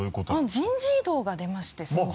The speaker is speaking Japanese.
人事異動が出まして先日。